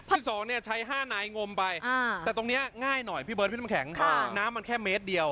ที่๒ใช้๕นายงมไปแต่ตรงนี้ง่ายหน่อยพี่เบิร์ดพี่น้ำแข็งน้ำมันแค่เมตรเดียว